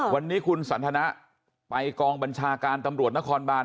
วันนี้คุณสันทนะไปกองบัญชาการตำรวจนครบาน